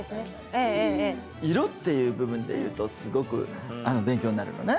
色っていう部分でいうとすごく勉強になるのね。